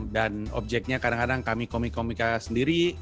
dan objeknya kadang kadang kami komik komika sendiri